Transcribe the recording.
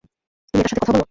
তুমি এটার সাথে কথা বলো?